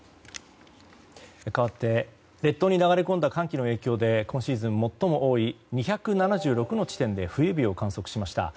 かわって列島に流れ込んだ寒気の影響で今シーズン最も多い２７６の地点で冬日を観測しました。